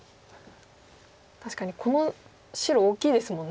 確かにこの白大きいですもんね。